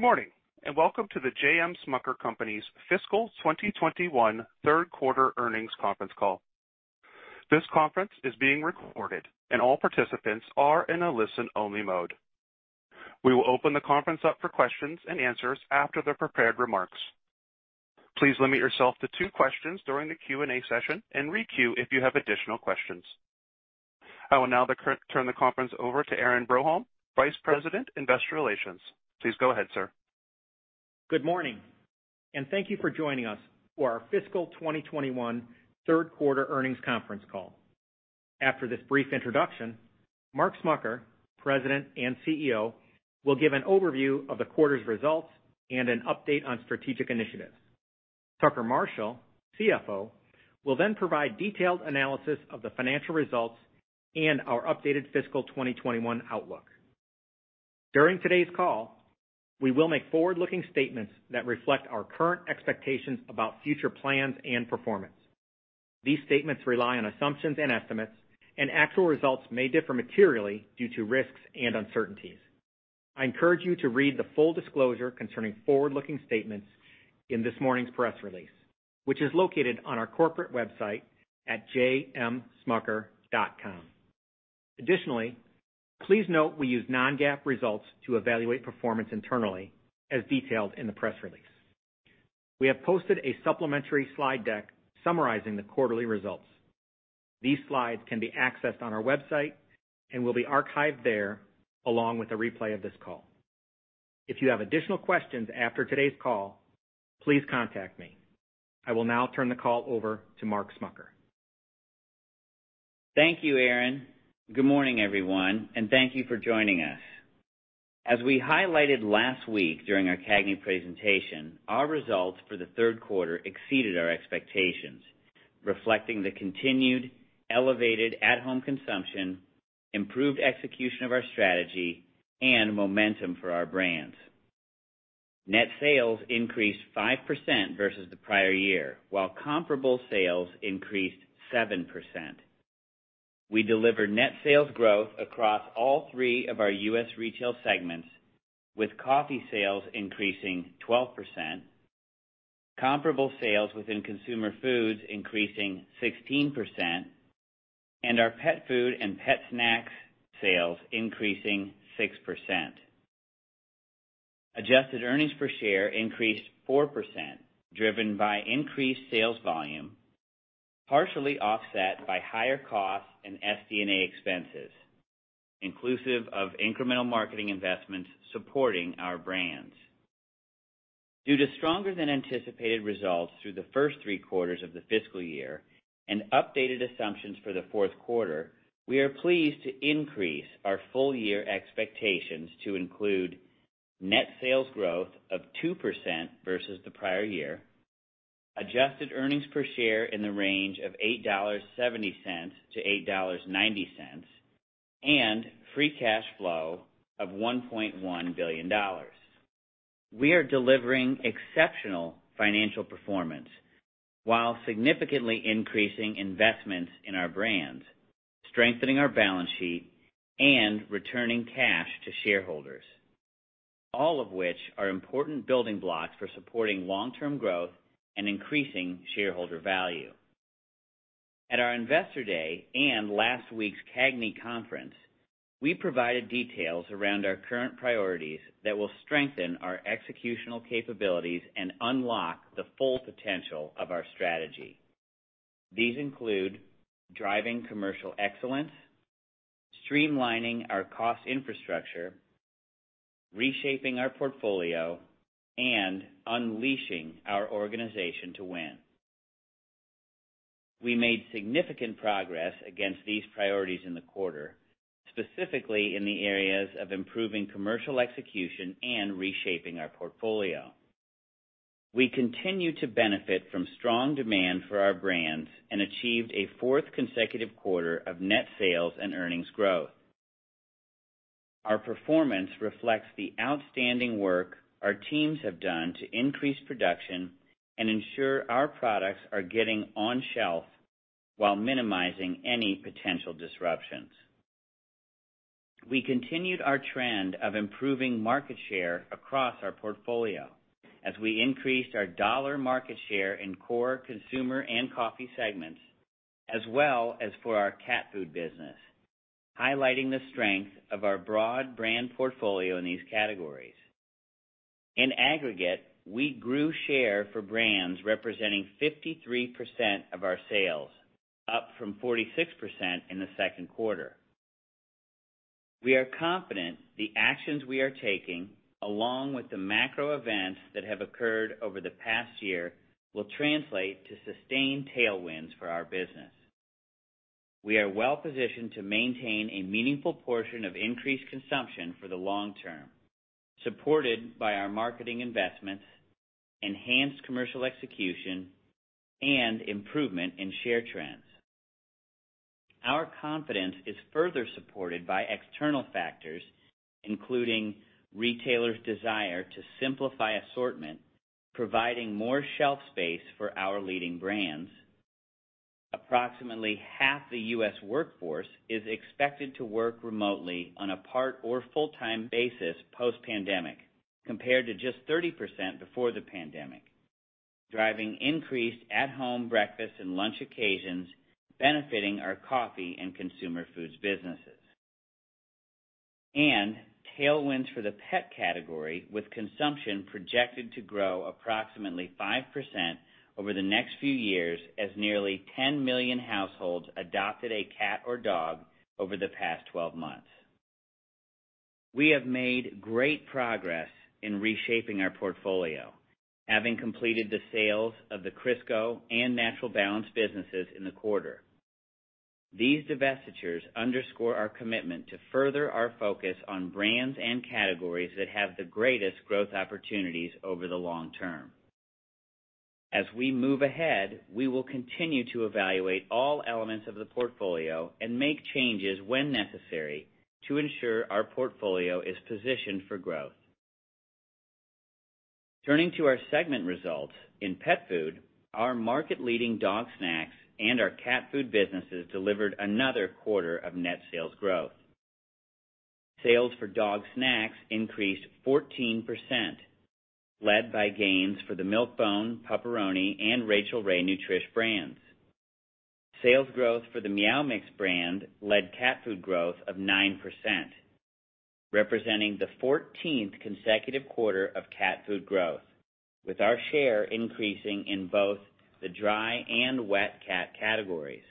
Good morning and welcome to the J.M. Smucker Company's Fiscal 2021 Third Quarter Earnings Conference Call. This conference is being recorded, and all participants are in a listen-only mode. We will open the conference up for questions and answers after the prepared remarks. Please limit yourself to two questions during the Q&A session and re-queue if you have additional questions. I will now turn the conference over to Aaron Broholm, Vice President, Investor Relations. Please go ahead, sir. Good morning, and thank you for joining us for our Fiscal 2021 Third Quarter Earnings Conference Call. After this brief introduction, Mark Smucker, President and CEO, will give an overview of the quarter's results and an update on strategic initiatives. Tucker Marshall, CFO, will then provide detailed analysis of the financial results and our updated Fiscal 2021 outlook. During today's call, we will make forward-looking statements that reflect our current expectations about future plans and performance. These statements rely on assumptions and estimates, and actual results may differ materially due to risks and uncertainties. I encourage you to read the full disclosure concerning forward-looking statements in this morning's press release, which is located on our corporate website at jmsmucker.com. Additionally, please note we use non-GAAP results to evaluate performance internally, as detailed in the press release. We have posted a supplementary slide deck summarizing the quarterly results. These slides can be accessed on our website and will be archived there along with a replay of this call. If you have additional questions after today's call, please contact me. I will now turn the call over to Mark Smucker. Thank you, Aaron. Good morning, everyone, and thank you for joining us. As we highlighted last week during our CAGNI presentation, our results for the third quarter exceeded our expectations, reflecting the continued elevated at-home consumption, improved execution of our strategy, and momentum for our brands. Net sales increased 5% versus the prior year, while comparable sales increased 7%. We delivered net sales growth across all three of our U.S. retail segments, with coffee sales increasing 12%, comparable sales within consumer foods increasing 16%, and our pet food and pet snacks sales increasing 6%. Adjusted earnings per share increased 4%, driven by increased sales volume, partially offset by higher costs and SD&A expenses, inclusive of incremental marketing investments supporting our brands. Due to stronger-than-anticipated results through the first three quarters of the fiscal year and updated assumptions for the fourth quarter, we are pleased to increase our full-year expectations to include net sales growth of 2% versus the prior year, adjusted earnings per share in the range of $8.70-$8.90, and free cash flow of $1.1 billion. We are delivering exceptional financial performance while significantly increasing investments in our brands, strengthening our balance sheet, and returning cash to shareholders, all of which are important building blocks for supporting long-term growth and increasing shareholder value. At our investor day and last week's CAGNI conference, we provided details around our current priorities that will strengthen our executional capabilities and unlock the full potential of our strategy. These include driving commercial excellence, streamlining our cost infrastructure, reshaping our portfolio, and unleashing our organization to win. We made significant progress against these priorities in the quarter, specifically in the areas of improving commercial execution and reshaping our portfolio. We continue to benefit from strong demand for our brands and achieved a fourth consecutive quarter of net sales and earnings growth. Our performance reflects the outstanding work our teams have done to increase production and ensure our products are getting on shelf while minimizing any potential disruptions. We continued our trend of improving market share across our portfolio as we increased our dollar market share in core consumer and coffee segments, as well as for our cat food business, highlighting the strength of our broad brand portfolio in these categories. In aggregate, we grew share for brands representing 53% of our sales, up from 46% in the second quarter. We are confident the actions we are taking, along with the macro events that have occurred over the past year, will translate to sustained tailwinds for our business. We are well-positioned to maintain a meaningful portion of increased consumption for the long term, supported by our marketing investments, enhanced commercial execution, and improvement in share trends. Our confidence is further supported by external factors, including retailers' desire to simplify assortment, providing more shelf space for our leading brands. Approximately half the U.S. workforce is expected to work remotely on a part or full-time basis post-pandemic, compared to just 30% before the pandemic, driving increased at-home breakfast and lunch occasions, benefiting our coffee and consumer foods businesses, and tailwinds for the pet category, with consumption projected to grow approximately 5% over the next few years as nearly 10 million households adopted a cat or dog over the past 12 months. We have made great progress in reshaping our portfolio, having completed the sales of the Crisco and Natural Balance businesses in the quarter. These divestitures underscore our commitment to further our focus on brands and categories that have the greatest growth opportunities over the long term. As we move ahead, we will continue to evaluate all elements of the portfolio and make changes when necessary to ensure our portfolio is positioned for growth. Turning to our segment results, in pet food, our market-leading dog snacks and our cat food businesses delivered another quarter of net sales growth. Sales for dog snacks increased 14%, led by gains for the Milk-Bone, Pup-Peroni, and Rachael Ray Nutrish brands. Sales growth for the Meow Mix brand led cat food growth of 9%, representing the 14th consecutive quarter of cat food growth, with our share increasing in both the dry and wet cat categories.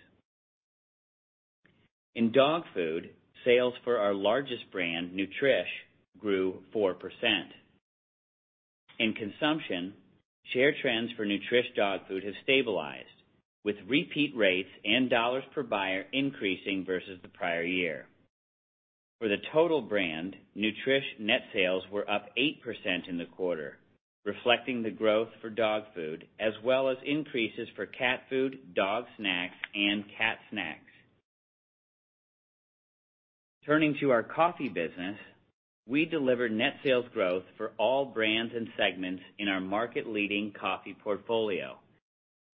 In dog food, sales for our largest brand, Nutrish, grew 4%. In consumption, share trends for Nutrish dog food have stabilized, with repeat rates and dollars per buyer increasing versus the prior year. For the total brand, Nutrish net sales were up 8% in the quarter, reflecting the growth for dog food as well as increases for cat food, dog snacks, and cat snacks. Turning to our coffee business, we delivered net sales growth for all brands and segments in our market-leading coffee portfolio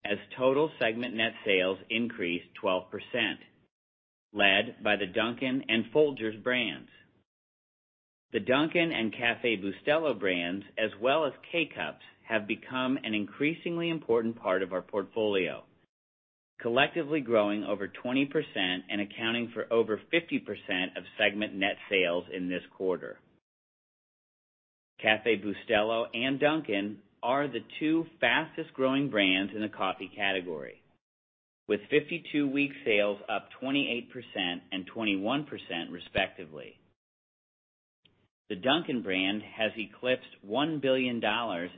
as total segment net sales increased 12%, led by the Dunkin' and Folgers brands. The Dunkin' and Café Bustelo brands, as well as K-Cups, have become an increasingly important part of our portfolio, collectively growing over 20% and accounting for over 50% of segment net sales in this quarter. Café Bustelo and Dunkin' are the two fastest-growing brands in the coffee category, with 52-week sales up 28% and 21%, respectively. The Dunkin' brand has eclipsed $1 billion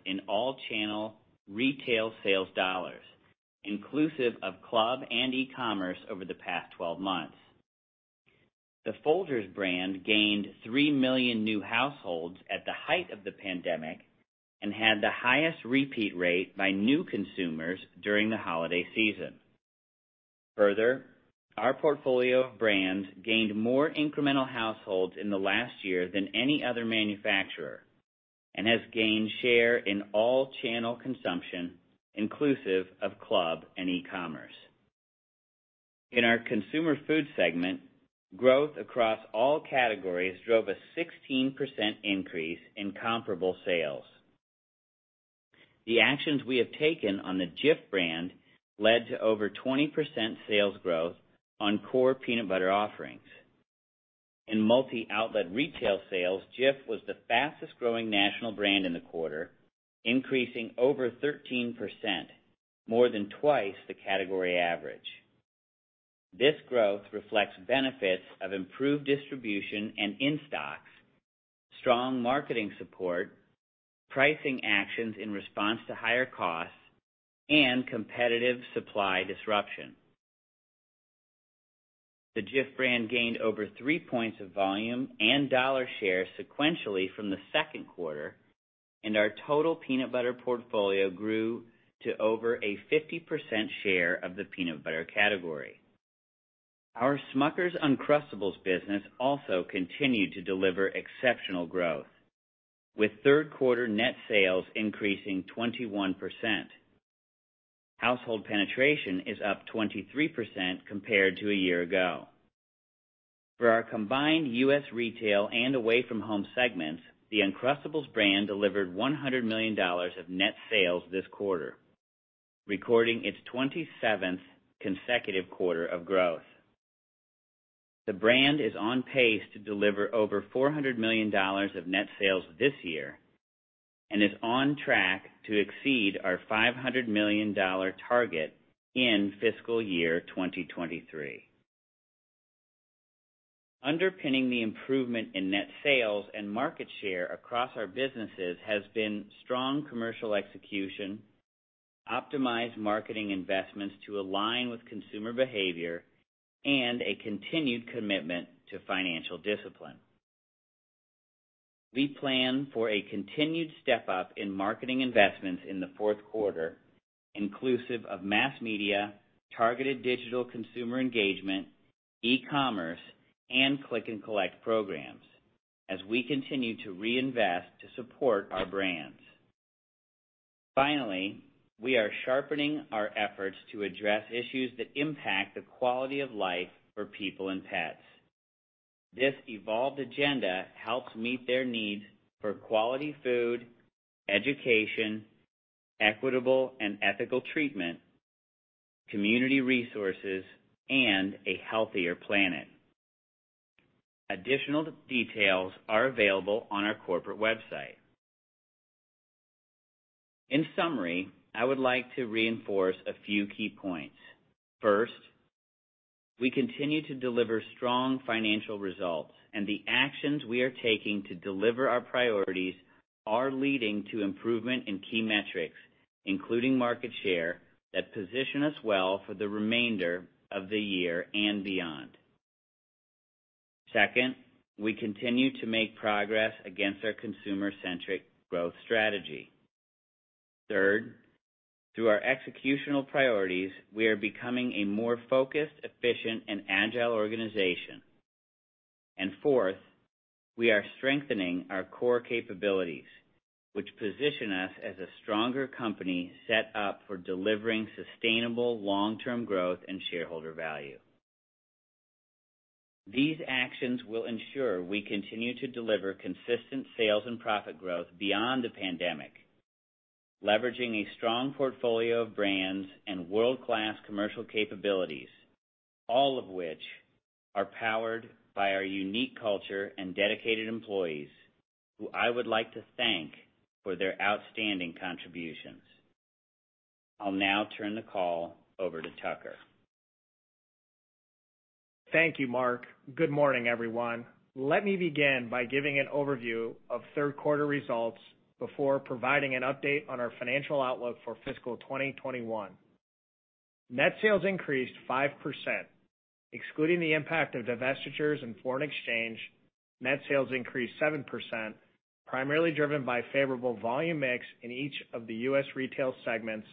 in all-channel retail sales dollars, inclusive of club and e-commerce, over the past 12 months. The Folgers brand gained 3 million new households at the height of the pandemic and had the highest repeat rate by new consumers during the holiday season. Further, our portfolio of brands gained more incremental households in the last year than any other manufacturer and has gained share in all-channel consumption, inclusive of club and e-commerce. In our consumer food segment, growth across all categories drove a 16% increase in comparable sales. The actions we have taken on the Jif brand led to over 20% sales growth on core peanut butter offerings. In multi-outlet retail sales, Jif was the fastest-growing national brand in the quarter, increasing over 13%, more than twice the category average. This growth reflects benefits of improved distribution and in-stocks, strong marketing support, pricing actions in response to higher costs, and competitive supply disruption. The Jif brand gained over three points of volume and dollar share sequentially from the second quarter, and our total peanut butter portfolio grew to over a 50% share of the peanut butter category. Our Smucker's Uncrustables business also continued to deliver exceptional growth, with third-quarter net sales increasing 21%. Household penetration is up 23% compared to a year ago. For our combined U.S. retail and away-from-home segments, the Uncrustables brand delivered $100 million of net sales this quarter, recording its 27th consecutive quarter of growth. The brand is on pace to deliver over $400 million of net sales this year and is on track to exceed our $500 million target in fiscal year 2023. Underpinning the improvement in net sales and market share across our businesses has been strong commercial execution, optimized marketing investments to align with consumer behavior, and a continued commitment to financial discipline. We plan for a continued step-up in marketing investments in the fourth quarter, inclusive of mass media, targeted digital consumer engagement, e-commerce, and Click-and-Collect programs, as we continue to reinvest to support our brands. Finally, we are sharpening our efforts to address issues that impact the quality of life for people and pets. This evolved agenda helps meet their needs for quality food, education, equitable and ethical treatment, community resources, and a healthier planet. Additional details are available on our corporate website. In summary, I would like to reinforce a few key points. First, we continue to deliver strong financial results, and the actions we are taking to deliver our priorities are leading to improvement in key metrics, including market share, that position us well for the remainder of the year and beyond. Second, we continue to make progress against our consumer-centric growth strategy. Third, through our executional priorities, we are becoming a more focused, efficient, and agile organization. And fourth, we are strengthening our core capabilities, which position us as a stronger company set up for delivering sustainable long-term growth and shareholder value. These actions will ensure we continue to deliver consistent sales and profit growth beyond the pandemic, leveraging a strong portfolio of brands and world-class commercial capabilities, all of which are powered by our unique culture and dedicated employees, who I would like to thank for their outstanding contributions. I'll now turn the call over to Tucker. Thank you, Mark. Good morning, everyone. Let me begin by giving an overview of third-quarter results before providing an update on our financial outlook for fiscal 2021. Net sales increased 5%. Excluding the impact of divestitures and foreign exchange, net sales increased 7%, primarily driven by favorable volume mix in each of the U.S. retail segments,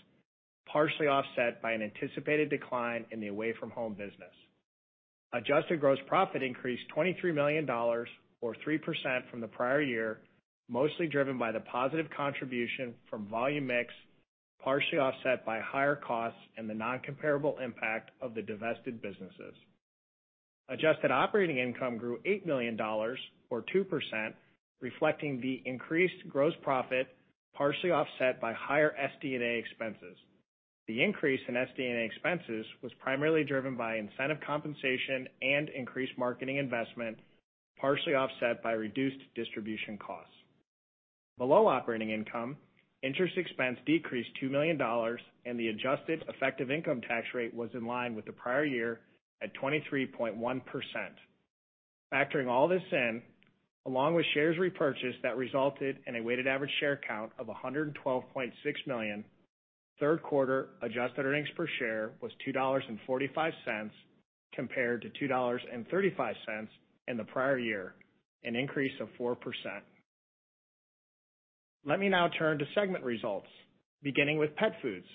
partially offset by an anticipated decline in the away-from-home business. Adjusted gross profit increased $23 million, or 3% from the prior year, mostly driven by the positive contribution from volume mix, partially offset by higher costs and the non-comparable impact of the divested businesses. Adjusted operating income grew $8 million, or 2%, reflecting the increased gross profit, partially offset by higher SD&A expenses. The increase in SD&A expenses was primarily driven by incentive compensation and increased marketing investment, partially offset by reduced distribution costs. Below operating income, interest expense decreased $2 million, and the adjusted effective income tax rate was in line with the prior year at 23.1%. Factoring all this in, along with shares repurchased that resulted in a weighted average share count of 112.6 million, third-quarter adjusted earnings per share was $2.45 compared to $2.35 in the prior year, an increase of 4%. Let me now turn to segment results, beginning with pet foods.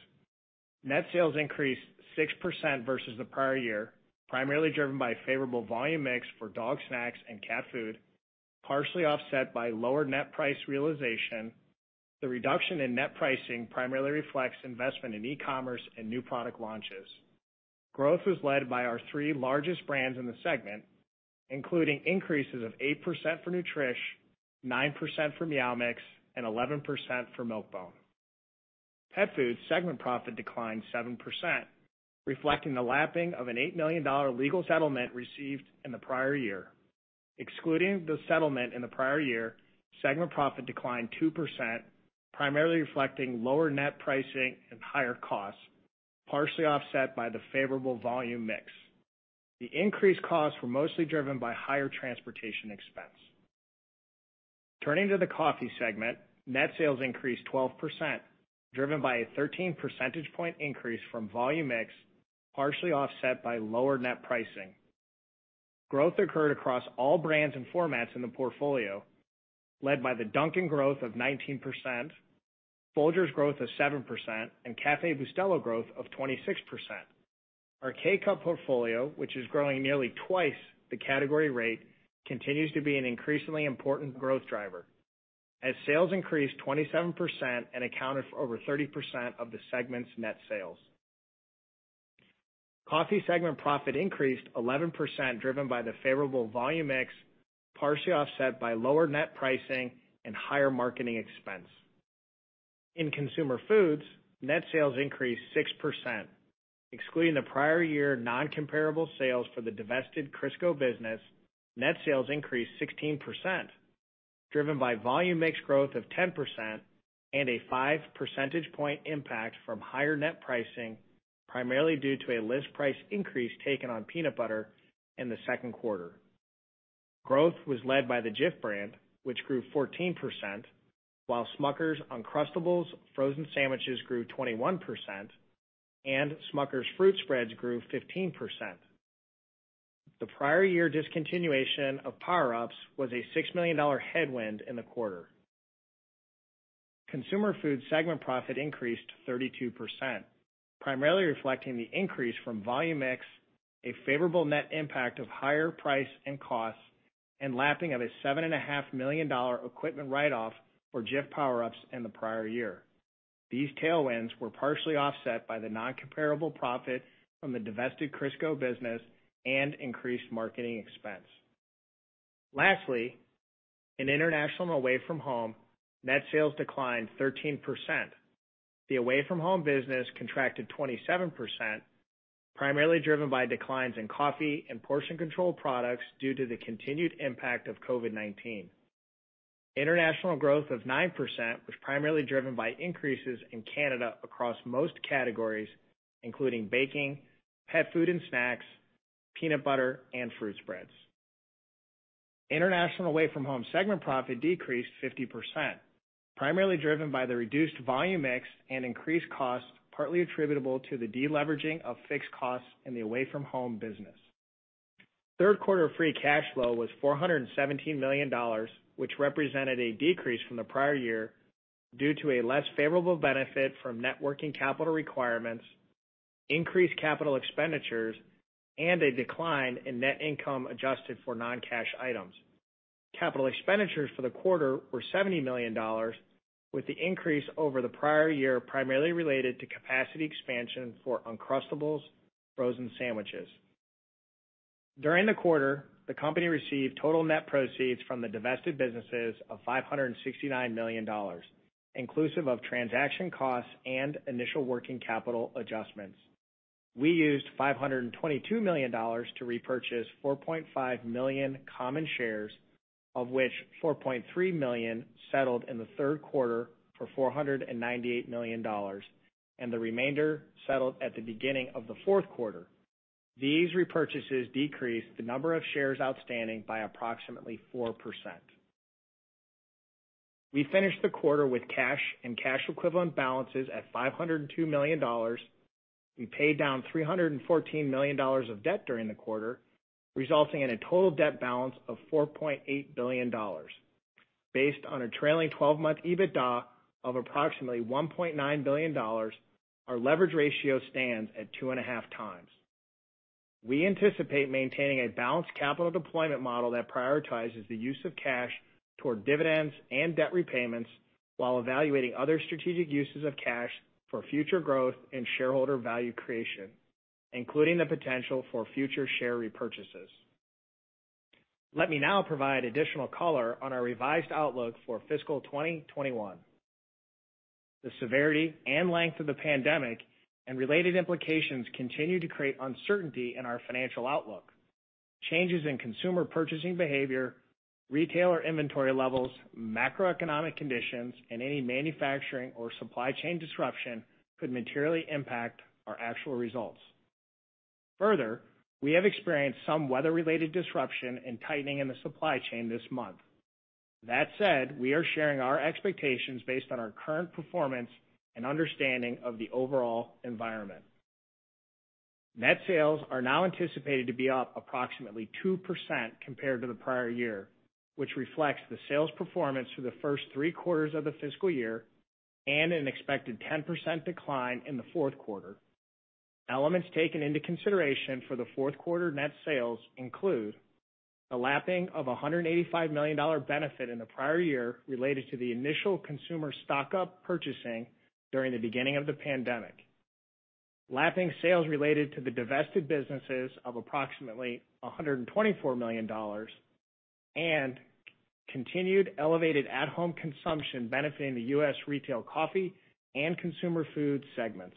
Net sales increased 6% versus the prior year, primarily driven by favorable volume mix for dog snacks and cat food, partially offset by lower net price realization. The reduction in net pricing primarily reflects investment in e-commerce and new product launches. Growth was led by our three largest brands in the segment, including increases of 8% for Nutrish, 9% for Meow Mix, and 11% for Milk-Bone. Pet food segment profit declined 7%, reflecting the lapping of an $8 million legal settlement received in the prior year. Excluding the settlement in the prior year, segment profit declined 2%, primarily reflecting lower net pricing and higher costs, partially offset by the favorable volume mix. The increased costs were mostly driven by higher transportation expense. Turning to the coffee segment, net sales increased 12%, driven by a 13 percentage point increase from volume mix, partially offset by lower net pricing. Growth occurred across all brands and formats in the portfolio, led by the Dunkin' growth of 19%, Folgers' growth of 7%, and Café Bustelo's growth of 26%. Our K-Cup portfolio, which is growing nearly twice the category rate, continues to be an increasingly important growth driver, as sales increased 27% and accounted for over 30% of the segment's net sales. Coffee segment profit increased 11%, driven by the favorable volume mix, partially offset by lower net pricing and higher marketing expense. In consumer foods, net sales increased 6%. Excluding the prior year non-comparable sales for the divested Crisco business, net sales increased 16%, driven by volume mix growth of 10% and a 5 percentage point impact from higher net pricing, primarily due to a list price increase taken on peanut butter in the second quarter. Growth was led by the Jif brand, which grew 14%, while Smucker's Uncrustables frozen sandwiches grew 21%, and Smucker's Fruit Spreads grew 15%. The prior year discontinuation of Power Ups was a $6 million headwind in the quarter. Consumer food segment profit increased 32%, primarily reflecting the increase from volume mix, a favorable net impact of higher price and costs, and lapping of a $7.5 million equipment write-off for Jif Power Ups in the prior year. These tailwinds were partially offset by the non-comparable profit from the divested Crisco business and increased marketing expense. Lastly, in international and away-from-home, net sales declined 13%. The away-from-home business contracted 27%, primarily driven by declines in coffee and portion control products due to the continued impact of COVID-19. International growth of 9% was primarily driven by increases in Canada across most categories, including baking, pet food and snacks, peanut butter, and fruit spreads. International away-from-home segment profit decreased 50%, primarily driven by the reduced volume mix and increased costs, partly attributable to the deleveraging of fixed costs in the away-from-home business. Third-quarter free cash flow was $417 million, which represented a decrease from the prior year due to a less favorable benefit from net working capital requirements, increased capital expenditures, and a decline in net income adjusted for non-cash items. Capital expenditures for the quarter were $70 million, with the increase over the prior year primarily related to capacity expansion for Uncrustables frozen sandwiches. During the quarter, the company received total net proceeds from the divested businesses of $569 million, inclusive of transaction costs and initial working capital adjustments. We used $522 million to repurchase 4.5 million common shares, of which 4.3 million settled in the third quarter for $498 million, and the remainder settled at the beginning of the fourth quarter. These repurchases decreased the number of shares outstanding by approximately 4%. We finished the quarter with cash and cash equivalent balances at $502 million. We paid down $314 million of debt during the quarter, resulting in a total debt balance of $4.8 billion. Based on a trailing 12-month EBITDA of approximately $1.9 billion, our leverage ratio stands at 2.5 times. We anticipate maintaining a balanced capital deployment model that prioritizes the use of cash toward dividends and debt repayments while evaluating other strategic uses of cash for future growth and shareholder value creation, including the potential for future share repurchases. Let me now provide additional color on our revised outlook for Fiscal 2021. The severity and length of the pandemic and related implications continue to create uncertainty in our financial outlook. Changes in consumer purchasing behavior, retailer inventory levels, macroeconomic conditions, and any manufacturing or supply chain disruption could materially impact our actual results. Further, we have experienced some weather-related disruption and tightening in the supply chain this month. That said, we are sharing our expectations based on our current performance and understanding of the overall environment. Net sales are now anticipated to be up approximately 2% compared to the prior year, which reflects the sales performance for the first three quarters of the fiscal year and an expected 10% decline in the fourth quarter. Elements taken into consideration for the fourth quarter net sales include the lapping of a $185 million benefit in the prior year related to the initial consumer stock-up purchasing during the beginning of the pandemic, lapping sales related to the divested businesses of approximately $124 million, and continued elevated at-home consumption benefiting the U.S. retail coffee and consumer food segments.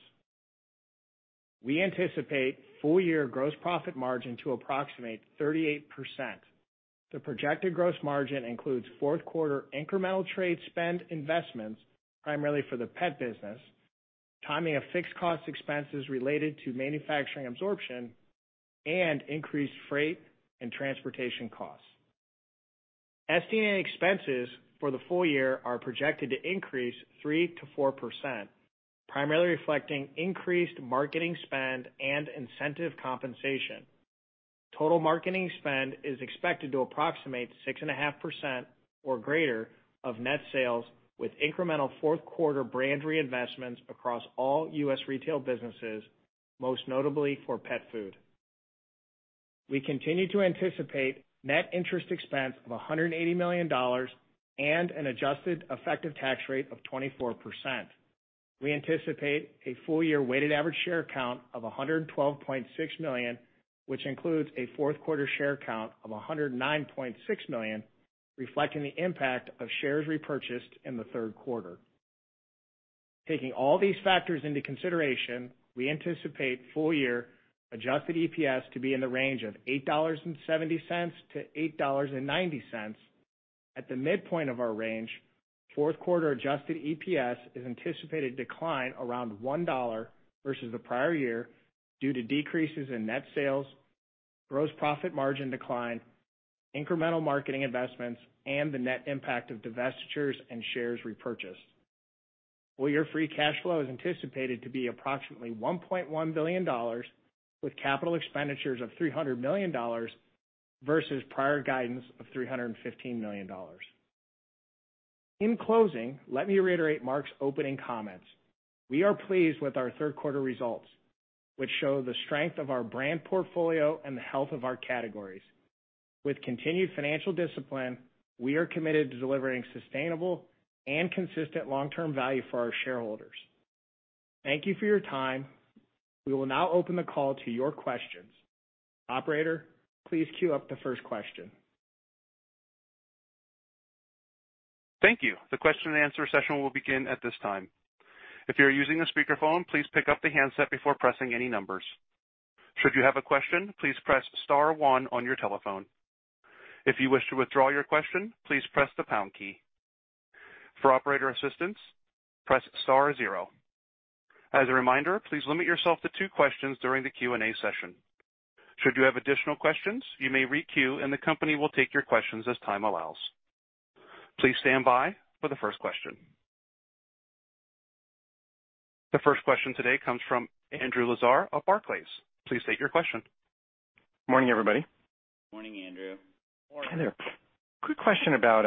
We anticipate full-year gross profit margin to approximate 38%. The projected gross margin includes fourth quarter incremental trade spend investments, primarily for the pet business, timing of fixed cost expenses related to manufacturing absorption, and increased freight and transportation costs. SD&A expenses for the full year are projected to increase 3%-4%, primarily reflecting increased marketing spend and incentive compensation. Total marketing spend is expected to approximate 6.5% or greater of net sales, with incremental fourth quarter brand reinvestments across all U.S. retail businesses, most notably for pet food. We continue to anticipate net interest expense of $180 million and an adjusted effective tax rate of 24%. We anticipate a full-year weighted average share count of 112.6 million, which includes a fourth quarter share count of 109.6 million, reflecting the impact of shares repurchased in the third quarter. Taking all these factors into consideration, we anticipate full-year adjusted EPS to be in the range of $8.70-$8.90. At the midpoint of our range, fourth quarter adjusted EPS is anticipated to decline around $1 versus the prior year due to decreases in net sales, gross profit margin decline, incremental marketing investments, and the net impact of divestitures and shares repurchased. Full-year free cash flow is anticipated to be approximately $1.1 billion, with capital expenditures of $300 million versus prior guidance of $315 million. In closing, let me reiterate Mark's opening comments. We are pleased with our third quarter results, which show the strength of our brand portfolio and the health of our categories. With continued financial discipline, we are committed to delivering sustainable and consistent long-term value for our shareholders. Thank you for your time. We will now open the call to your questions. Operator, please queue up the first question. Thank you. The question-and-answer session will begin at this time. If you're using a speakerphone, please pick up the handset before pressing any numbers. Should you have a question, please press star one on your telephone. If you wish to withdraw your question, please press the pound key. For operator assistance, press star zero. As a reminder, please limit yourself to two questions during the Q&A session. Should you have additional questions, you may re-queue and the company will take your questions as time allows. Please stand by for the first question. The first question today comes from Andrew Lazar of Barclays. Please state your question. Morning, everybody. Morning, Andrew. Heather, quick question about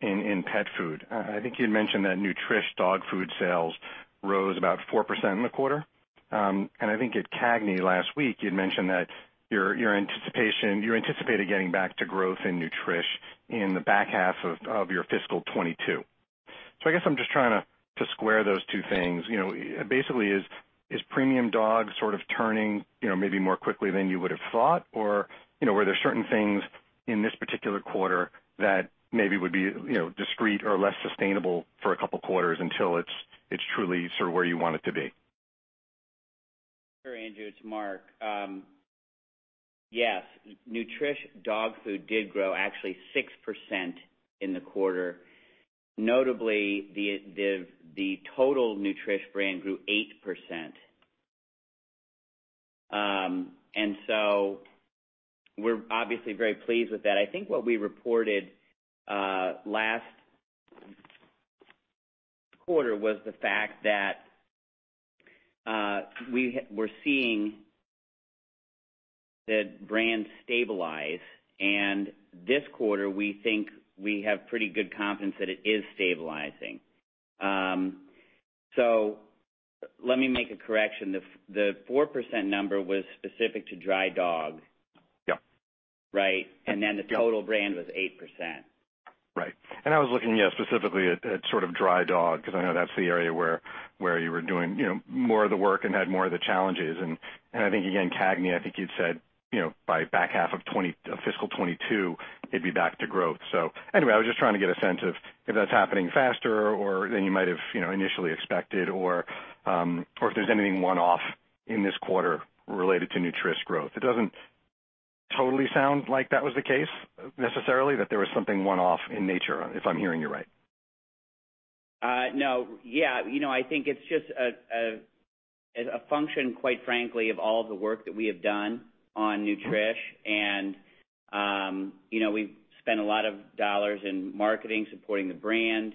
in pet food. I think you'd mentioned that Nutrish dog food sales rose about 4% in the quarter. And I think at CAGNY last week, you'd mentioned that your anticipation, you anticipated getting back to growth in Nutrish in the back half of your fiscal 2022. So I guess I'm just trying to square those two things. You know, basically, is premium dog sort of turning, you know, maybe more quickly than you would have thought, or, you know, were there certain things in this particular quarter that maybe would be, you know, discrete or less sustainable for a couple quarters until it's truly sort of where you want it to be? Sure, Andrew. It's Mark. Yes, Nutrish dog food did grow actually 6% in the quarter. Notably, the total Nutrish brand grew 8%. And so we're obviously very pleased with that. I think what we reported last quarter was the fact that we were seeing the brand stabilize, and this quarter, we think we have pretty good confidence that it is stabilizing. So let me make a correction. The 4% number was specific to dry dog. Yeah. Right? And then the total brand was 8%. Right. And I was looking, you know, specifically at sort of dry dog, because I know that's the area where you were doing, you know, more of the work and had more of the challenges. And I think, again, CAGNI, I think you'd said, you know, by back half of 2020, of fiscal 2022, it'd be back to growth. So anyway, I was just trying to get a sense of if that's happening faster or than you might have, you know, initially expected, or if there's anything one-off in this quarter related to Nutrish growth. It doesn't totally sound like that was the case necessarily, that there was something one-off in nature, if I'm hearing you right. No. Yeah. You know, I think it's just a function, quite frankly, of all of the work that we have done on Nutrish. And you know, we've spent a lot of dollars in marketing supporting the brand,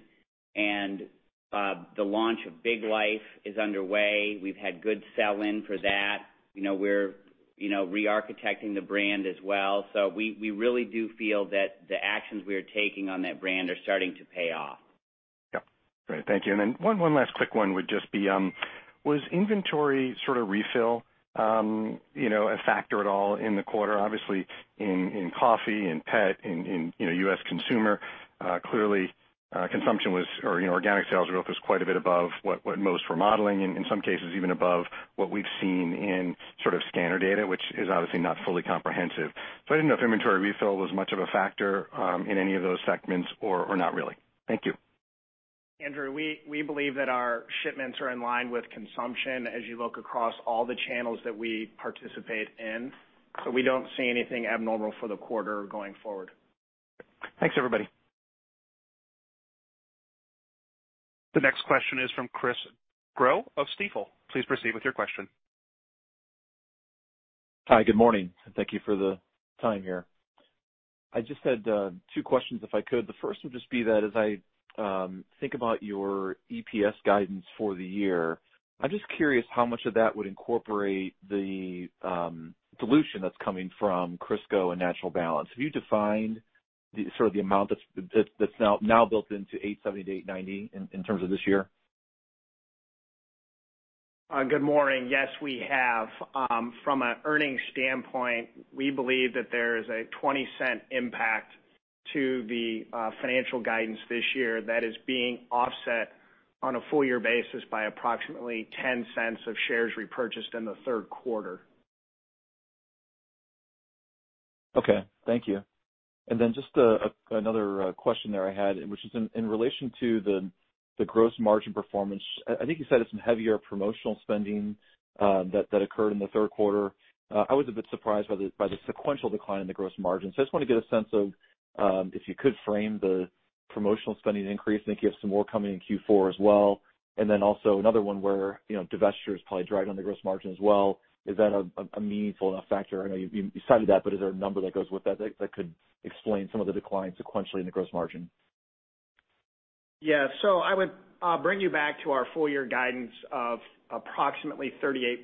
and the launch of Big Life is underway. We've had good sell-in for that. You know, we're re-architecting the brand as well. So we really do feel that the actions we are taking on that brand are starting to pay off. Yep. Great. Thank you. And then one last quick one would just be, was inventory sort of refill, you know, a factor at all in the quarter? Obviously, in coffee, in pet, you know, U.S. consumer, clearly, consumption was, you know, organic sales growth was quite a bit above what most were modeling, and in some cases, even above what we've seen in sort of scanner data, which is obviously not fully comprehensive. So I didn't know if inventory refill was much of a factor, in any of those segments or not really. Thank you. Andrew, we believe that our shipments are in line with consumption as you look across all the channels that we participate in. So we don't see anything abnormal for the quarter going forward. Thanks, everybody. The next question is from Chris Growe of Stifel. Please proceed with your question. Hi, good morning, and thank you for the time here. I just had two questions, if I could. The first would just be that as I think about your EPS guidance for the year, I'm just curious how much of that would incorporate the dilution that's coming from Crisco and Natural Balance. Have you defined the sort of amount that's now built into $8.70-$8.90 in terms of this year? Good morning. Yes, we have. From an earnings standpoint, we believe that there is a $0.20 impact to the financial guidance this year that is being offset on a full-year basis by approximately $0.10 of shares repurchased in the third quarter. Okay. Thank you, and then just another question there I had, which is in relation to the gross margin performance. I think you said it's some heavier promotional spending that occurred in the third quarter. I was a bit surprised by the sequential decline in the gross margin. So I just want to get a sense of if you could frame the promotional spending increase. I think you have some more coming in Q4 as well. And then also another one where, you know, divestitures probably drive down the gross margin as well. Is that a meaningful enough factor? I know you cited that, but is there a number that goes with that that could explain some of the decline sequentially in the gross margin? Yeah. So I would bring you back to our full-year guidance of approximately 38%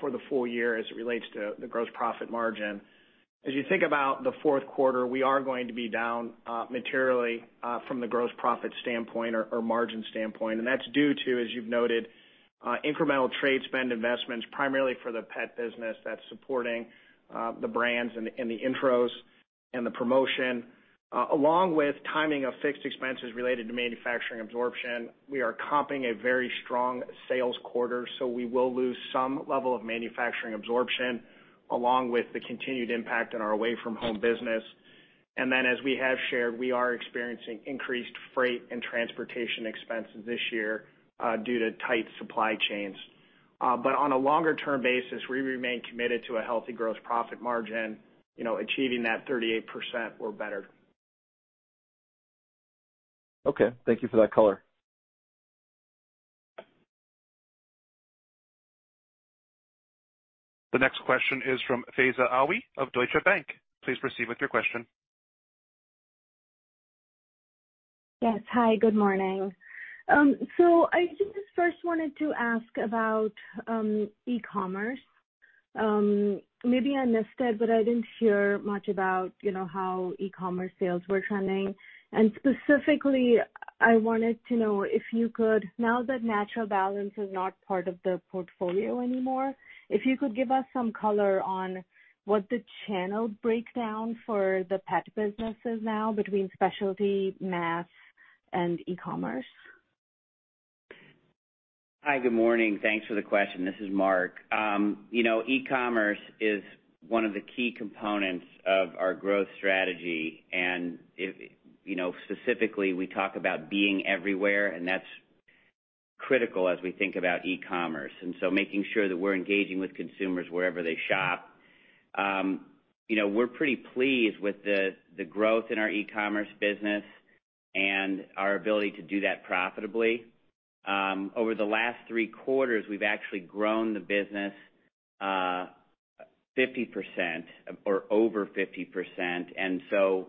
for the full year as it relates to the gross profit margin. As you think about the fourth quarter, we are going to be down materially from the gross profit standpoint or margin standpoint. That's due to, as you've noted, incremental trade spend investments primarily for the pet business that's supporting the brands and the intros and the promotion, along with timing of fixed expenses related to manufacturing absorption. We are comping a very strong sales quarter, so we will lose some level of manufacturing absorption along with the continued impact on our away-from-home business. Then, as we have shared, we are experiencing increased freight and transportation expenses this year due to tight supply chains. But on a longer-term basis, we remain committed to a healthy gross profit margin, you know, achieving that 38% or better. Okay. Thank you for that color. The next question is from Faiza Alwy of Deutsche Bank. Please proceed with your question. Yes. Hi, good morning, so I just first wanted to ask about e-commerce. Maybe I missed it, but I didn't hear much about, you know, how e-commerce sales were trending, and specifically, I wanted to know if you could, now that Natural Balance is not part of the portfolio anymore, if you could give us some color on what the channel breakdown for the pet business is now between specialty, mass, and e-commerce. Hi, good morning. Thanks for the question. This is Mark. You know, e-commerce is one of the key components of our growth strategy, and if, you know, specifically, we talk about being everywhere, and that's critical as we think about e-commerce, and so making sure that we're engaging with consumers wherever they shop. You know, we're pretty pleased with the growth in our e-commerce business and our ability to do that profitably. Over the last three quarters, we've actually grown the business 50% or over 50%. And so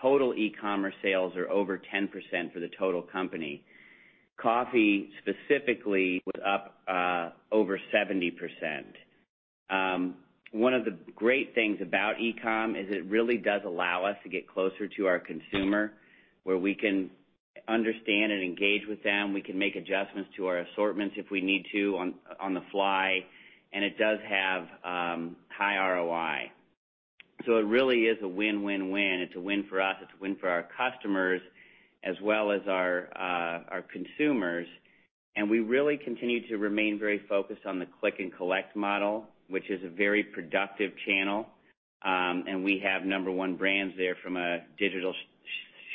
total e-commerce sales are over 10% for the total company. Coffee specifically was up over 70%. One of the great things about e-com is it really does allow us to get closer to our consumer where we can understand and engage with them. We can make adjustments to our assortments if we need to on the fly. And it does have high ROI. So it really is a win, win, win. It's a win for us. It's a win for our customers as well as our consumers. And we really continue to remain very focused on the click-and-collect model, which is a very productive channel. And we have number one brands there from a digital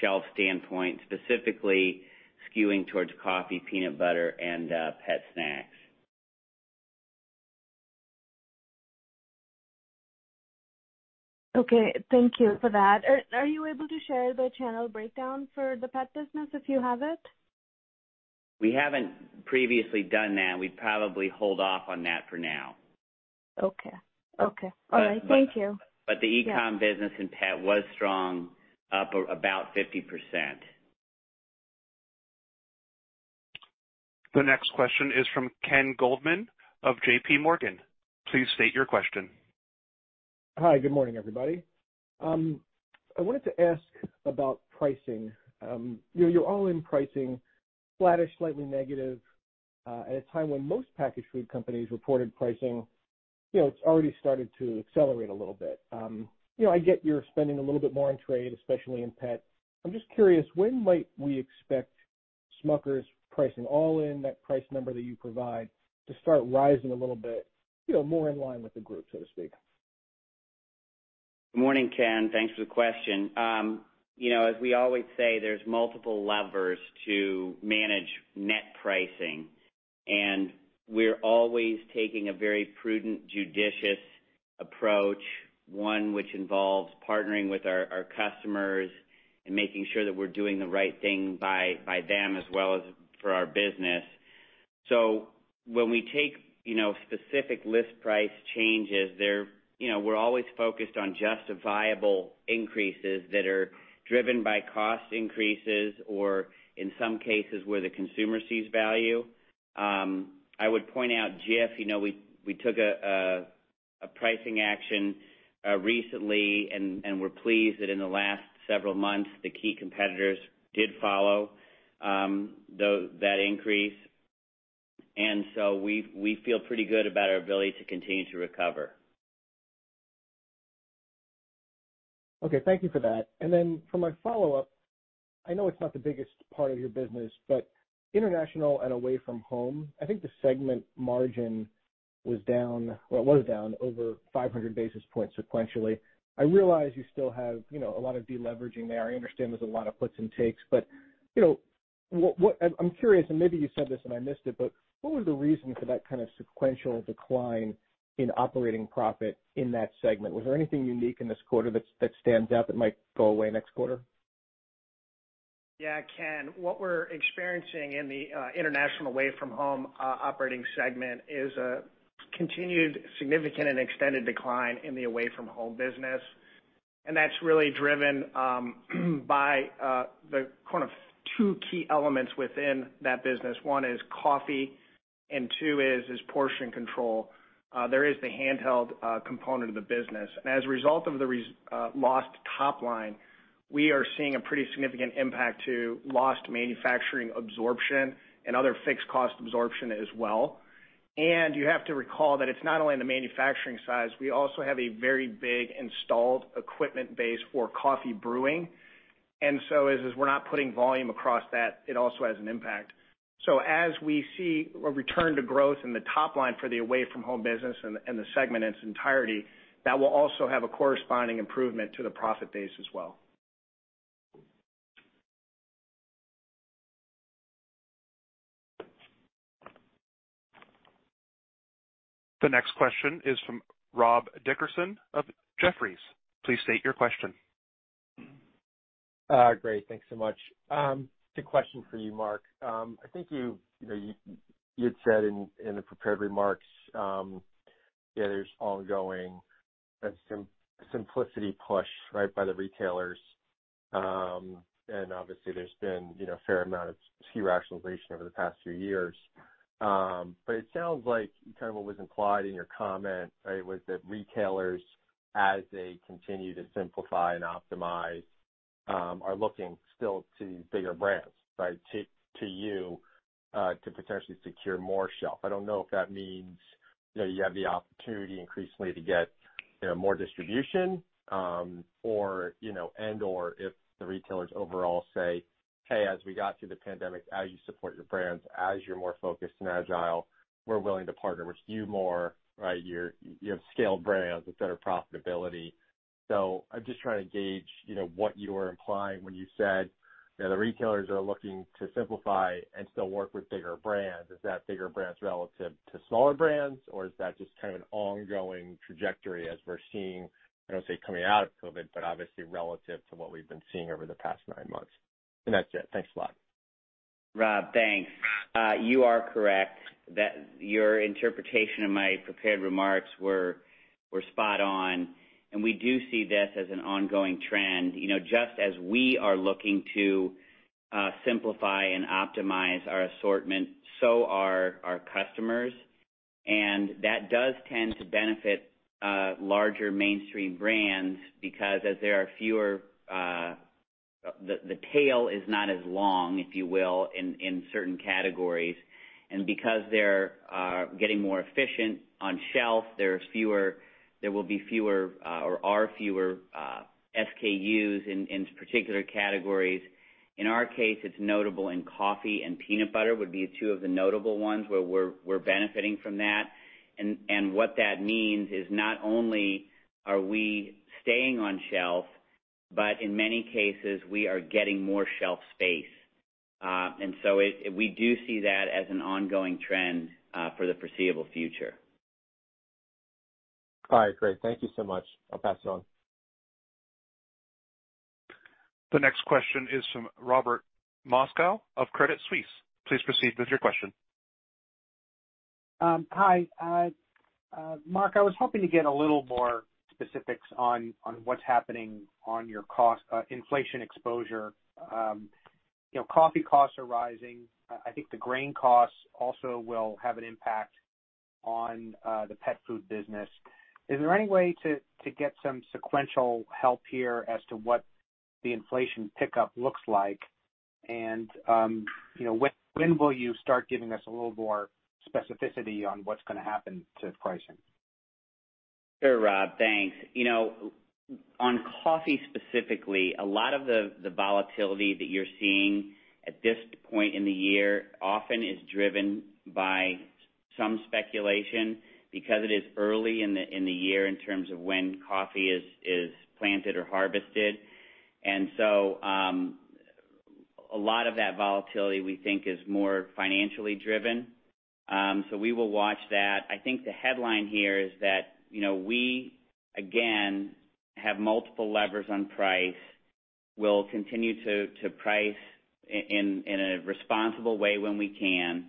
shelf standpoint, specifically skewing towards coffee, peanut butter, and pet snacks. Okay. Thank you for that. Are you able to share the channel breakdown for the pet business if you have it? We haven't previously done that. We'd probably hold off on that for now. Okay. Okay. All right. Thank you. But the e-com business and pet was strong, up about 50%. The next question is from Ken Goldman of J.P. Morgan. Please state your question. Hi, good morning, everybody. I wanted to ask about pricing. You know, you're all in pricing flatish, slightly negative, at a time when most packaged food companies reported pricing. You know, it's already started to accelerate a little bit. You know, I get you're spending a little bit more on trade, especially in pet. I'm just curious, when might we expect Smucker's pricing all in, that price number that you provide, to start rising a little bit, you know, more in line with the group, so to speak? Good morning, Ken. Thanks for the question. You know, as we always say, there's multiple levers to manage net pricing. And we're always taking a very prudent, judicious approach, one which involves partnering with our customers and making sure that we're doing the right thing by them as well as for our business. So when we take, you know, specific list price changes, they're, you know, we're always focused on justifiable increases that are driven by cost increases or in some cases where the consumer sees value. I would point out, Jif, you know, we took a pricing action recently, and we're pleased that in the last several months, the key competitors did follow through that increase. And so we feel pretty good about our ability to continue to recover. Okay. Thank you for that. And then for my follow-up, I know it's not the biggest part of your business, but international and away from home, I think the segment margin was down, or it was down over 500 basis points sequentially. I realize you still have, you know, a lot of deleveraging there. I understand there's a lot of puts and takes. But, you know, what I'm curious, and maybe you said this and I missed it, but what was the reason for that kind of sequential decline in operating profit in that segment? Was there anything unique in this quarter that stands out that might go away next quarter? Yeah, Ken, what we're experiencing in the international away-from-home operating segment is a continued significant and extended decline in the away-from-home business. And that's really driven by the kind of two key elements within that business. One is coffee, and two is portion control. There is the handheld component of the business. And as a result of the res lost top line, we are seeing a pretty significant impact to lost manufacturing absorption and other fixed cost absorption as well. And you have to recall that it's not only in the manufacturing side. We also have a very big installed equipment base for coffee brewing. And so as we're not putting volume across that, it also has an impact. So as we see a return to growth in the top line for the away-from-home business and the segment in its entirety, that will also have a corresponding improvement to the profit base as well. The next question is from Rob Dickerson of Jefferies. Please state your question. Great. Thanks so much. The question for you, Mark. I think, you know, you had said in the prepared remarks, yeah, there's ongoing simplicity push, right, by the retailers. And obviously, there's been, you know, a fair amount of SKU rationalization over the past few years. But it sounds like kind of what was implied in your comment, right, was that retailers, as they continue to simplify and optimize, are looking still to these bigger brands, right, to you to potentially secure more shelf. I don't know if that means, you know, you have the opportunity increasingly to get, you know, more distribution, or, you know, and/or if the retailers overall say, "Hey, as we got through the pandemic, as you support your brands, as you're more focused and agile, we're willing to partner with you more," right? You have scaled brands with better profitability. So I'm just trying to gauge, you know, what you were implying when you said, you know, the retailers are looking to simplify and still work with bigger brands. Is that bigger brands relative to smaller brands, or is that just kind of an ongoing trajectory as we're seeing, I don't want to say coming out of COVID, but obviously relative to what we've been seeing over the past nine months? And that's it. Thanks a lot. Rob, thanks. You are correct that your interpretation of my prepared remarks were spot on. And we do see this as an ongoing trend. You know, just as we are looking to simplify and optimize our assortment, so are our customers. And that does tend to benefit larger mainstream brands because as there are fewer, the tail is not as long, if you will, in certain categories. And because they're getting more efficient on shelf, there's fewer, there will be fewer or are fewer SKUs in particular categories. In our case, it's notable in coffee and peanut butter would be two of the notable ones where we're benefiting from that, and what that means is not only are we staying on shelf, but in many cases, we are getting more shelf space, and so it we do see that as an ongoing trend for the foreseeable future. All right. Great. Thank you so much. I'll pass it on. The next question is from Robert Moskow of Credit Suisse. Please proceed with your question. Hi, Mark. I was hoping to get a little more specifics on what's happening on your cost inflation exposure. You know, coffee costs are rising. I think the grain costs also will have an impact on the pet food business. Is there any way to get some sequential help here as to what the inflation pickup looks like? And, you know, when will you start giving us a little more specificity on what's going to happen to pricing? Sure, Rob. Thanks. You know, on coffee specifically, a lot of the volatility that you're seeing at this point in the year often is driven by some speculation because it is early in the year in terms of when coffee is planted or harvested. And so, a lot of that volatility we think is more financially driven. So we will watch that. I think the headline here is that, you know, we again have multiple levers on price. We'll continue to price in a responsible way when we can.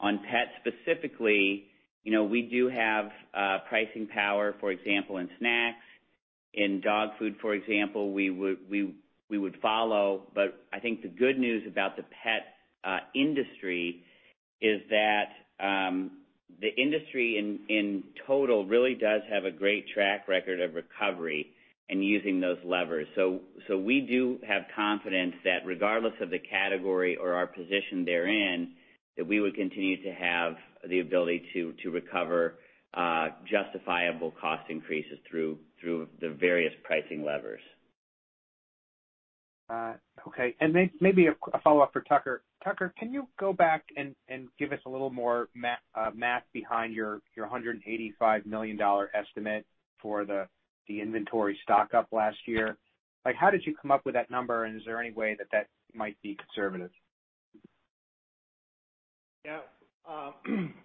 On pet specifically, you know, we do have pricing power, for example, in snacks. In dog food, for example, we would follow. But I think the good news about the pet industry is that the industry in total really does have a great track record of recovery and using those levers. So we do have confidence that regardless of the category or our position therein, that we would continue to have the ability to recover justifiable cost increases through the various pricing levers. Okay. And maybe a follow-up for Tucker. Tucker, can you go back and give us a little more math behind your $185 million estimate for the inventory stock up last year? Like, how did you come up with that number? And is there any way that that might be conservative? Yeah.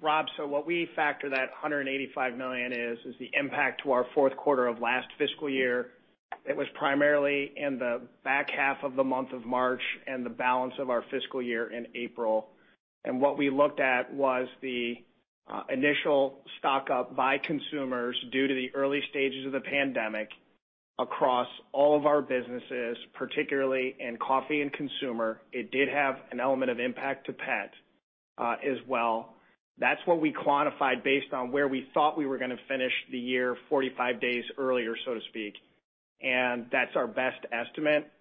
Rob, so what we factor that $185 million is, is the impact to our fourth quarter of last fiscal year. It was primarily in the back half of the month of March and the balance of our fiscal year in April. And what we looked at was the initial stock up by consumers due to the early stages of the pandemic across all of our businesses, particularly in coffee and consumer. It did have an element of impact to pet, as well. That's what we quantified based on where we thought we were going to finish the year 45 days earlier, so to speak. And that's our best estimate.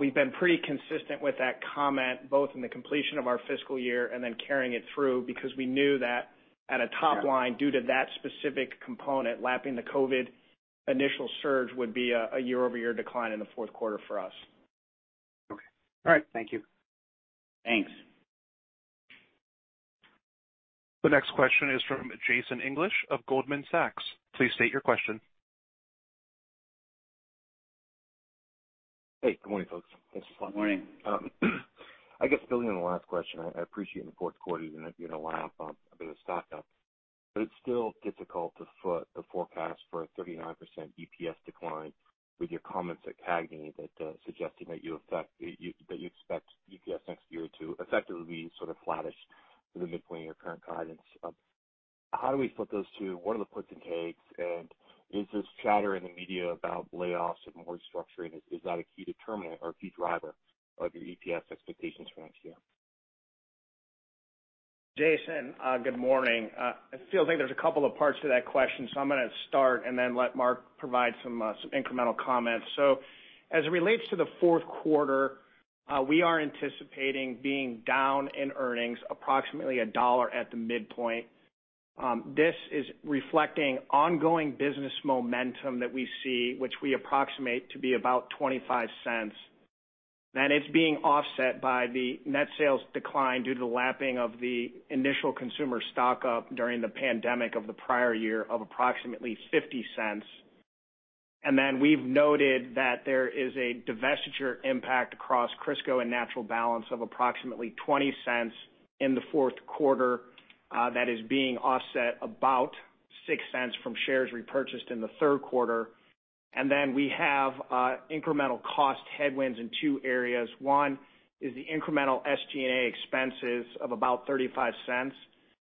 We've been pretty consistent with that comment both in the completion of our fiscal year and then carrying it through because we knew that at a top line due to that specific component lapping the COVID initial surge would be a year-over-year decline in the fourth quarter for us. Okay. All right. Thank you. Thanks. The next question is from Jason English of Goldman Sachs. Please state your question. Hey, good morning, folks. Thanks for calling. Good morning. I guess building on the last question, I appreciate in the fourth quarter you're going to, you know, line up a bit of stock up. But it's still difficult to foot the forecast for a 39% EPS decline with your comments at CAGNY that suggested that you expect EPS next year to effectively be sort of flatish to the midpoint of your current guidance. How do we foot those two? What are the puts and takes? And is this chatter in the media about layoffs and more restructuring? Is that a key determinant or a key driver of your EPS expectations for next year? Jason, good morning. I feel like there's a couple of parts to that question, so I'm going to start and then let Mark provide some incremental comments. So as it relates to the fourth quarter, we are anticipating being down in earnings approximately $1 at the midpoint. This is reflecting ongoing business momentum that we see, which we approximate to be about $0.25. And it's being offset by the net sales decline due to the lapping of the initial consumer stock up during the pandemic of the prior year of approximately $0.50. And then we've noted that there is a divestiture impact across Crisco and Natural Balance of approximately $0.20 in the fourth quarter, that is being offset about $0.06 from shares repurchased in the third quarter. And then we have incremental cost headwinds in two areas. One is the incremental SG&A expenses of about $0.35,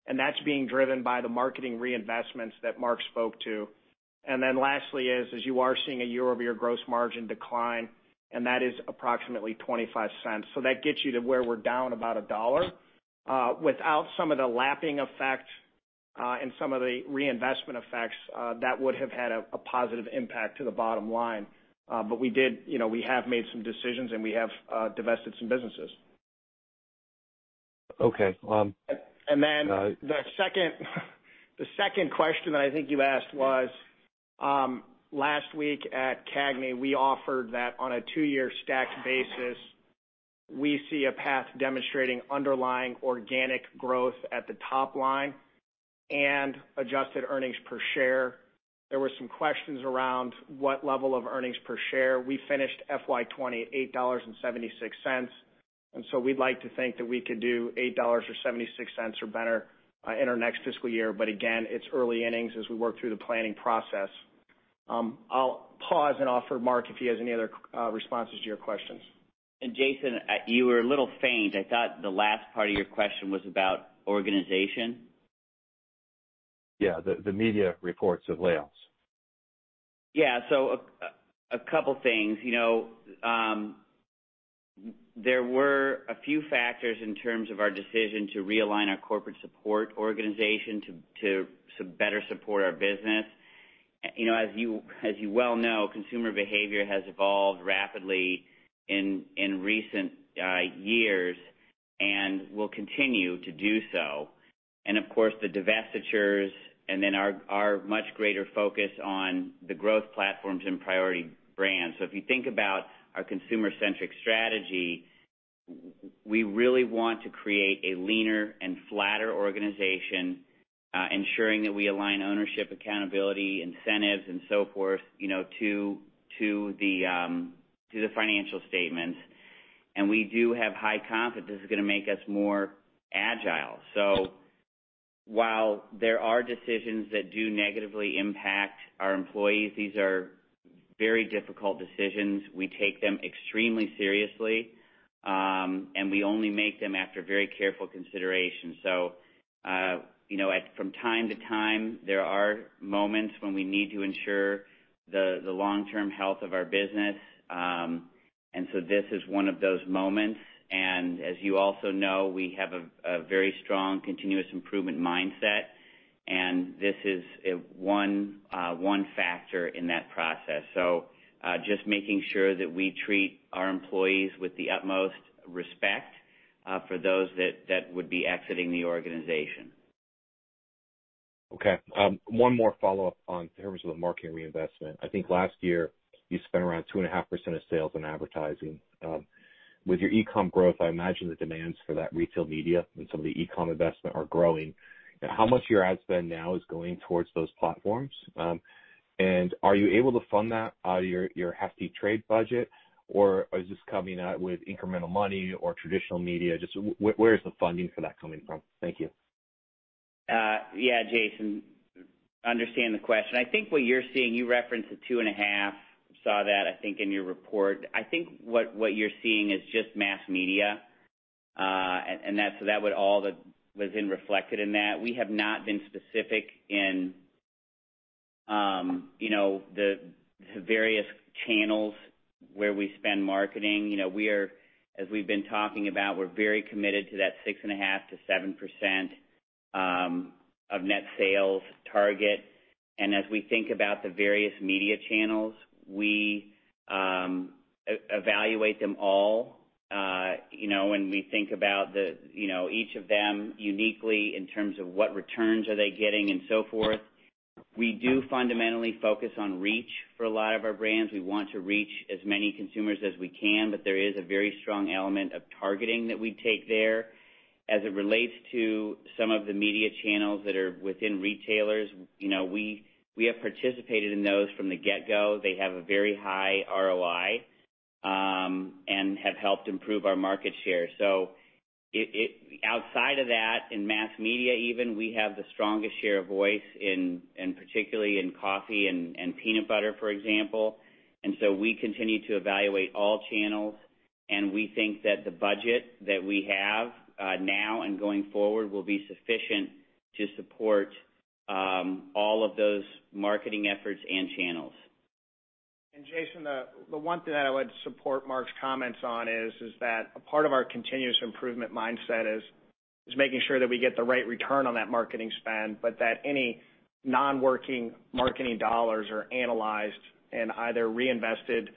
and that's being driven by the marketing reinvestments that Mark spoke to. And then lastly is, as you are seeing a year-over-year gross margin decline, and that is approximately $0.25. So that gets you to where we're down about $1. Without some of the lapping effect, and some of the reinvestment effects, that would have had a positive impact to the bottom line. But we did, you know, we have made some decisions and we have divested some businesses. Okay. And then the second question that I think you asked was, last week at CAGNY, we offered that on a two-year stacked basis. We see a path demonstrating underlying organic growth at the top line and adjusted earnings per share. There were some questions around what level of earnings per share. We finished FY20 at $8.76. And so we'd like to think that we could do $8.76 or better in our next fiscal year. But again, it's early innings as we work through the planning process. I'll pause and offer Mark if he has any other responses to your questions. And Jason, you were a little faint. I thought the last part of your question was about organization. Yeah. The media reports of layoffs. Yeah. So a couple of things. You know, there were a few factors in terms of our decision to realign our corporate support organization to better support our business. You know, as you well know, consumer behavior has evolved rapidly in recent years and will continue to do so, and of course, the divestitures and then our much greater focus on the growth platforms and priority brands, so if you think about our consumer-centric strategy, we really want to create a leaner and flatter organization, ensuring that we align ownership, accountability, incentives, and so forth, you know, to the financial statements, and we do have high confidence this is going to make us more agile, so while there are decisions that do negatively impact our employees, these are very difficult decisions. We take them extremely seriously, and we only make them after very careful consideration. So, you know, from time to time, there are moments when we need to ensure the long-term health of our business, and so this is one of those moments, and as you also know, we have a very strong continuous improvement mindset, and this is one factor in that process. So, just making sure that we treat our employees with the utmost respect, for those that would be exiting the organization. Okay. One more follow-up in terms of the marketing reinvestment. I think last year you spent around 2.5% of sales on advertising. With your e-com growth, I imagine the demands for that retail media and some of the e-com investment are growing. How much of your ad spend now is going towards those platforms? And are you able to fund that out of your hefty trade budget, or is this coming out with incremental money or traditional media? Just where is the funding for that coming from? Thank you. Yeah, Jason, understand the question. I think what you're seeing, you referenced the 2.5. Saw that, I think, in your report. I think what you're seeing is just mass media, and that, so that would all that was in reflected in that. We have not been specific in, you know, the various channels where we spend marketing. You know, we are, as we've been talking about, we're very committed to that 6.5%-7% of net sales target. And as we think about the various media channels, we evaluate them all, you know, and we think about the, you know, each of them uniquely in terms of what returns are they getting and so forth. We do fundamentally focus on reach for a lot of our brands. We want to reach as many consumers as we can, but there is a very strong element of targeting that we take there. As it relates to some of the media channels that are within retailers, you know, we have participated in those from the get-go. They have a very high ROI and have helped improve our market share. So it outside of that, in mass media even, we have the strongest share of voice particularly in coffee and peanut butter, for example. And so we continue to evaluate all channels, and we think that the budget that we have, now and going forward, will be sufficient to support all of those marketing efforts and channels. And Jason, the one thing that I would support Mark's comments on is that a part of our continuous improvement mindset is making sure that we get the right return on that marketing spend, but that any non-working marketing dollars are analyzed and either reinvested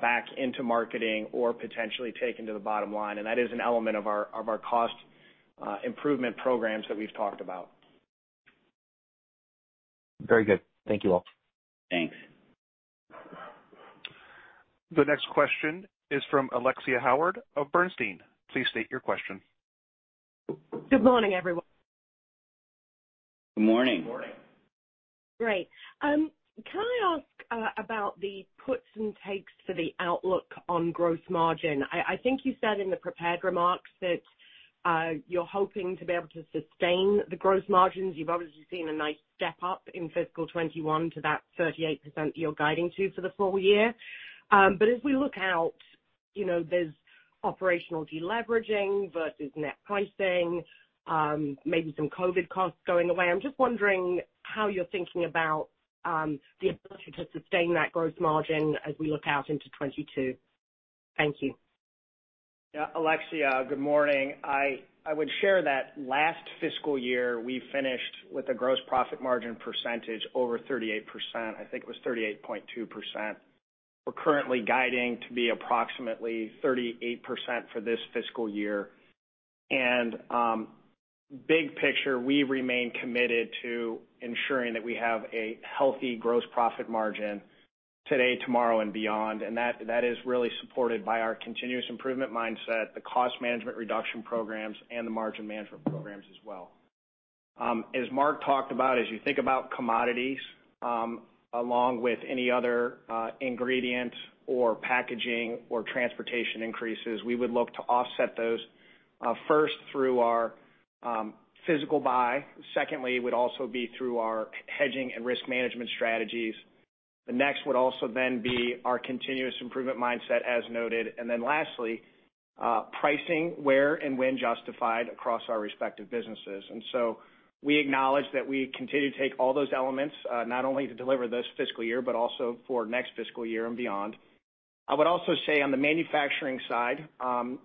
back into marketing or potentially taken to the bottom line. And that is an element of our cost improvement programs that we've talked about. Very good. Thank you all. Thanks. The next question is from Alexia Howard of Bernstein. Please state your question. Good morning, everyone. Good morning. Good morning. Great. Can I ask about the puts and takes for the outlook on gross margin? I think you said in the prepared remarks that you're hoping to be able to sustain the gross margins. You've obviously seen a nice step up in fiscal 2021 to that 38% that you're guiding to for the full year, but as we look out, you know, there's operational deleveraging versus net pricing, maybe some COVID costs going away. I'm just wondering how you're thinking about the ability to sustain that gross margin as we look out into 2022. Thank you. Yeah. Alexia, good morning. I would share that last fiscal year we finished with a gross profit margin percentage over 38%. I think it was 38.2%. We're currently guiding to be approximately 38% for this fiscal year. And, big picture, we remain committed to ensuring that we have a healthy gross profit margin today, tomorrow, and beyond. And that is really supported by our continuous improvement mindset, the cost management reduction programs, and the margin management programs as well, as Mark talked about. As you think about commodities, along with any other ingredients or packaging or transportation increases, we would look to offset those, first through our physical buy. Secondly, it would also be through our hedging and risk management strategies. The next would also then be our continuous improvement mindset as noted. And then lastly, pricing where and when justified across our respective businesses. And so we acknowledge that we continue to take all those elements, not only to deliver this fiscal year, but also for next fiscal year and beyond. I would also say on the manufacturing side,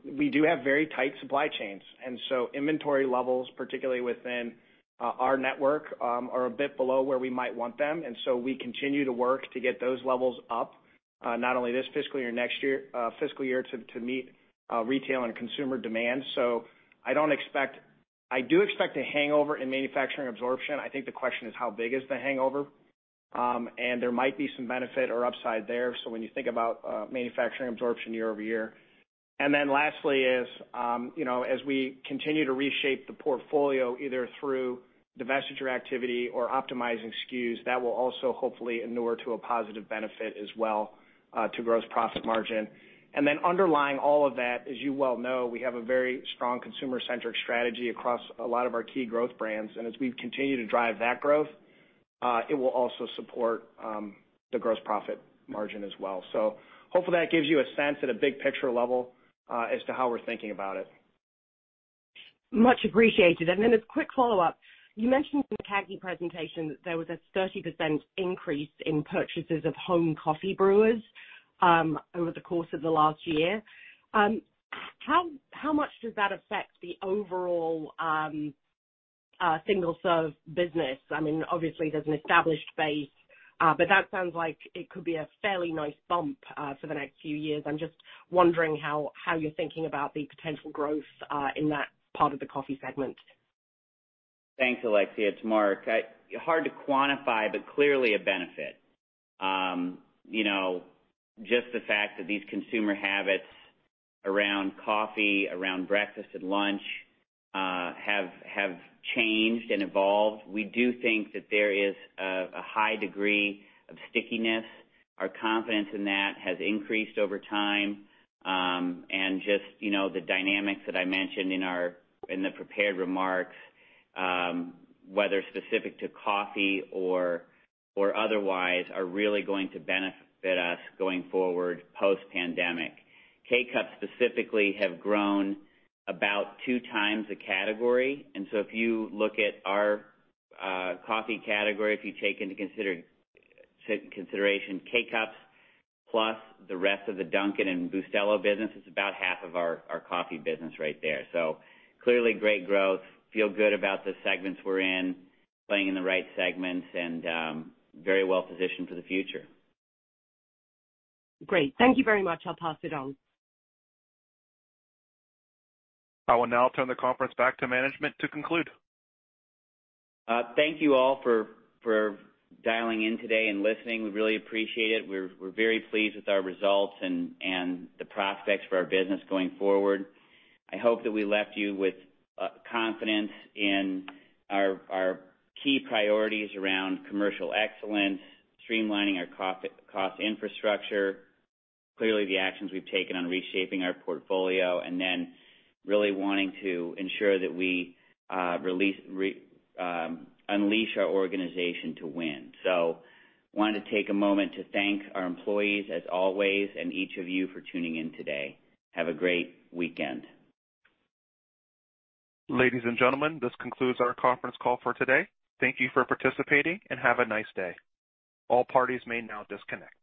we do have very tight supply chains. And so inventory levels, particularly within our network, are a bit below where we might want them. And so we continue to work to get those levels up, not only this fiscal year or next year, fiscal year too to meet retail and consumer demand. So I don't expect, I do expect a hangover in manufacturing absorption. I think the question is how big is the hangover, and there might be some benefit or upside there. So when you think about manufacturing absorption year over year. And then lastly is, you know, as we continue to reshape the portfolio either through divestiture activity or optimizing SKUs, that will also hopefully inure to a positive benefit as well to gross profit margin. And then underlying all of that, as you well know, we have a very strong consumer-centric strategy across a lot of our key growth brands. And as we continue to drive that growth, it will also support the gross profit margin as well. So hopefully that gives you a sense at a big picture level, as to how we're thinking about it. Much appreciated, and then a quick follow-up. You mentioned in the CAGNI presentation that there was a 30% increase in purchases of home coffee brewers, over the course of the last year. How much does that affect the overall, single-serve business? I mean, obviously there's an established base, but that sounds like it could be a fairly nice bump, for the next few years. I'm just wondering how you're thinking about the potential growth, in that part of the coffee segment. Thanks, Alexia. It's hard to quantify, but clearly a benefit. You know, just the fact that these consumer habits around coffee, around breakfast and lunch, have changed and evolved. We do think that there is a high degree of stickiness. Our confidence in that has increased over time, and just, you know, the dynamics that I mentioned in our, in the prepared remarks, whether specific to coffee or otherwise, are really going to benefit us going forward post-pandemic. K-Cups specifically have grown about two times the category, and so if you look at our coffee category, if you take into consideration K-Cups plus the rest of the Dunkin' and Bustelo business, it's about half of our coffee business right there. So clearly great growth. Feel good about the segments we're in, playing in the right segments, and very well positioned for the future. Great. Thank you very much. I'll pass it on. I will now turn the conference back to management to conclude. Thank you all for dialing in today and listening. We really appreciate it. We're very pleased with our results and the prospects for our business going forward. I hope that we left you with confidence in our key priorities around commercial excellence, streamlining our coffee cost infrastructure, clearly the actions we've taken on reshaping our portfolio, and then really wanting to ensure that we unleash our organization to win. So wanted to take a moment to thank our employees as always and each of you for tuning in today. Have a great weekend. Ladies and gentlemen, this concludes our conference call for today. Thank you for participating and have a nice day. All parties may now disconnect.